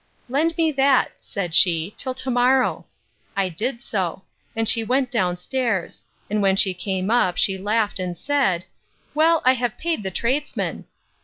Lend me that, said she, till to morrow. I did so; and she went down stairs: and when she came up, she laughed, and said, Well, I have paid the tradesman.